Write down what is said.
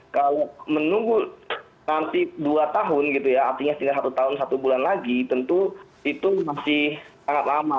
kalau menunggu nanti dua tahun gitu ya artinya tinggal satu tahun satu bulan lagi tentu itu masih sangat lama